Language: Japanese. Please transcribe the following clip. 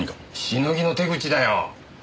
しのぎの手口だよ。